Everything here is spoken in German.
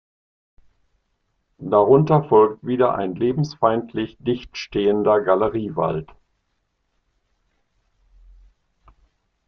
Darunter folgt wieder ein lebensfeindlich dicht stehender Galeriewald.